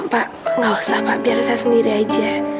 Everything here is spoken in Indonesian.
pak gak usah pak biar saya sendiri aja